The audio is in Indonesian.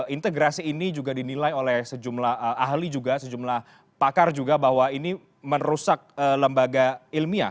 integrasi ini juga dinilai oleh sejumlah ahli juga sejumlah pakar juga bahwa ini merusak lembaga ilmiah